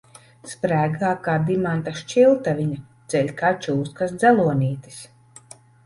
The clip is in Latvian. Sprēgā kā dimanta šķiltaviņa, dzeļ kā čūskas dzelonītis.